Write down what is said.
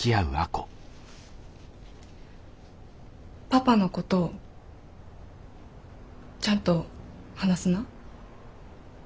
パパのことちゃんと話すな。